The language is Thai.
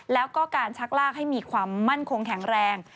แล้วก็การชักลากให้มีความมั่นคงแข็งแรง